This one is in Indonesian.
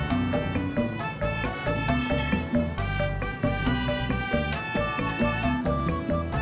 aku mau bantu